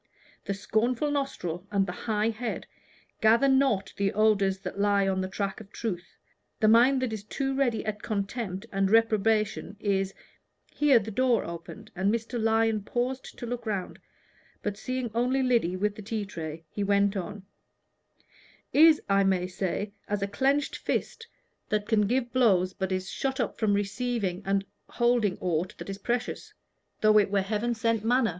The scornful nostril and the high head gather not the odors that lie on the track of truth. The mind that is too ready at contempt and reprobation is " Here the door opened, and Mr. Lyon paused to look around, but seeing only Lyddy with the tea tray, he went on "Is, I may say, as a clenched fist that can give blows, but is shut up from receiving and holding aught that is precious though it were heaven sent manna."